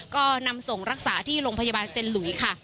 ก็นำส่งรักษาที่โรงพยาบาลเซ็นหลุยค่ะ